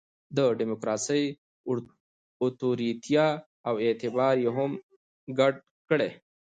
د ډیموکراسي اُتوریته او اعتبار یې هم ګډ کړي.